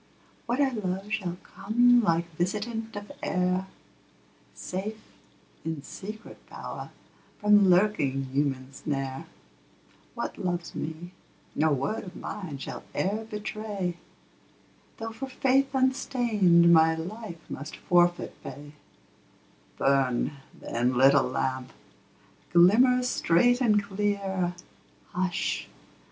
What I love shall come like visitant of air, Safe in secret power from lurking human snare; What loves me, no word of mine shall e'er betray, Though for faith unstained my life must forfeit pay Burn, then, little lamp; glimmer straight and clear Hush!